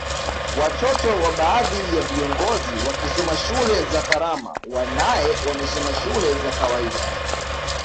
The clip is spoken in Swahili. Watoto wa baadhi ya viongozi wakisoma shule za gharama wanae wamesoma shule za kawaida